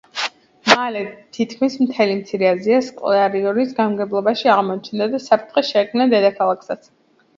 მალე თითქმის მთელი მცირე აზია სკლიაროსის განმგებლობაში აღმოჩნდა და საფრთხე შეექმნა დედაქალაქსაც.